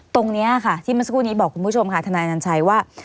ตรงนี้ค่ะที่เมื่อสักครู่นี้บอกคุณผู้ชมค่ะทนายอนัญชัยว่า